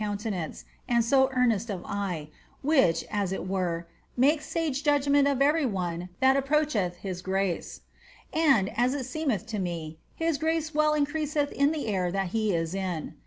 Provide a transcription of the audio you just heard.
countenance, and so earnest an eye, which, as it were, makes nge jnd^ ment of every one that approacheth his grace. And, as it seemeth to me, his grace well increaseth in the air that he is in.